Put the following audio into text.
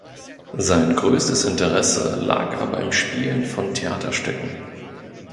Sein größtes Interesse lag aber im Spielen von Theaterstücken.